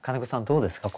どうですか？